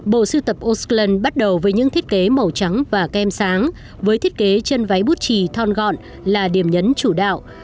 bộ sưu tập osclan bắt đầu với những thiết kế màu trắng và kem sáng với thiết kế chân váy bút chì thon gọn là điểm nhấn chủ đạo